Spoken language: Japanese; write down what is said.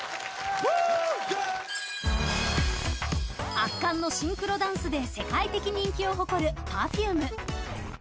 圧巻のシンクロダンスで世界的人気を誇るＰｅｒｆｕｍｅ。